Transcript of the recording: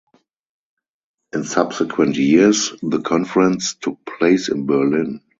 In subsequent years the conference took place in Berlin.